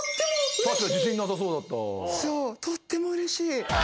とってもうれしい。